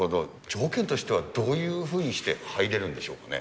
条件としてはどういうふうにして入れるんでしょうかね。